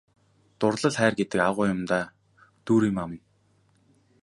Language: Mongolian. Дурлал хайр гэдэг агуу юм даа Дүүриймаа минь!